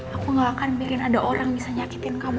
aku gak akan bikin ada orang bisa nyakitin kamu